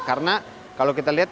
karena kalau kita lihat